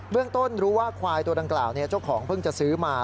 เรื่องต้นรู้ว่าควายตัวดังกล่าวเจ้าของเพิ่งจะซื้อมา